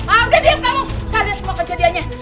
ah udah diam kamu saya lihat semua kejadiannya